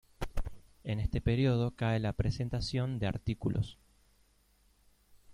En este período cae la presentación de artículos.